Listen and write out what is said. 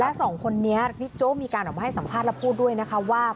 แล้ว๒คนนี้พี่โจ๊กมีการออกมาให้สัมภาษณ์แล้วพูดด้วยว่า